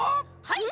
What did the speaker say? はい？